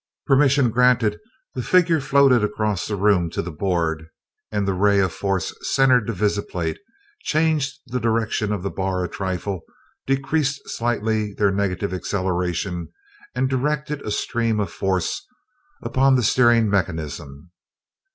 Permission granted, the figure floated across the room to the board and the rays of force centered the visiplate, changed the direction of the bar a trifle, decreased slightly their negative acceleration, and directed a stream of force upon the steering mechanism.